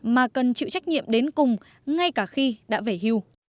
mà cần chịu trách nhiệm đến cùng ngay cả khi đã về hưu